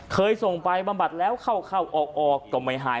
เคยส่งไปบำบัดแล้วเข้าออกก็ไม่หาย